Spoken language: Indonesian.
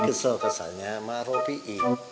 kesel keselnya sama robi ini